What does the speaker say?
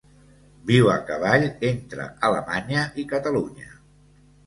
Viu a cavall entre Alemanya i Catalunya.